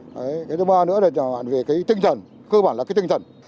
cái thứ ba nữa là về tinh thần cơ bản là tinh thần